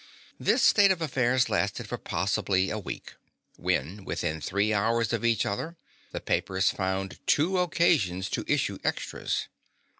This state of affairs lasted for possibly a week, when, within three hours of each other, the papers found two occasions to issue extras.